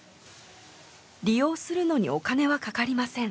利用するのにお金はかかりません。